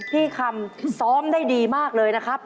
คำซ้อมได้ดีมากเลยนะครับ